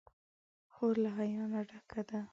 خور له حیا نه ډکه ده.